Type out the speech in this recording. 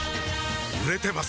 売れてます